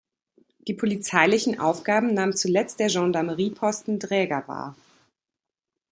Die polizeilichen Aufgaben nahm zuletzt der Gendarmerieposten Draeger wahr.